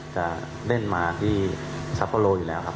จะเล่นมาที่ซัปโปโลอยู่แล้วครับ